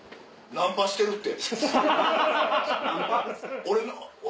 ナンパしてるって。